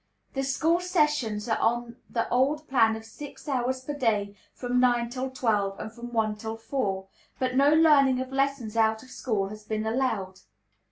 _ The school sessions are on the old plan of six hours per day, from nine till twelve, and from one till four; but no learning of lessons out of school has been allowed.